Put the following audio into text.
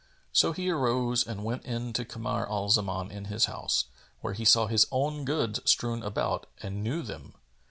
So he arose and went in to Kamar al Zaman in his house; where he saw his own goods strewn about and knew them.